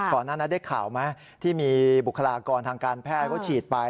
ก่อนหน้านั้นได้ข่าวไหมที่มีบุคลากรทางการแพทย์เขาฉีดไป